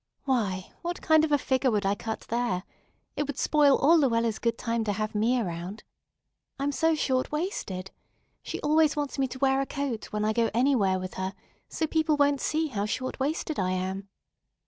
Why, what kind of a figure would I cut there? It would spoil all Luella's good time to have me around, I'm so short waisted. She always wants me to wear a coat when I go anywhere with her, so people won't see how short waisted I am."